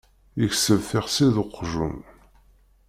Yekseb tixsi d uqjun.